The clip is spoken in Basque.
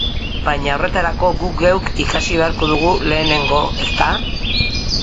Baina, horretarako guk geuk ikasi beharko dugu lehenengo, ezta?